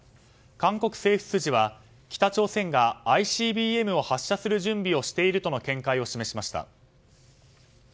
韓国政府筋は北朝鮮がＩＣＢＭを発射する準備をしているとの見解を示しました。